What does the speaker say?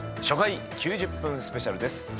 初回９０分スペシャルです。